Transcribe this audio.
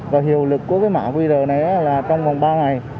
và hiệu lực của cái mã qr này là trong vòng ba ngày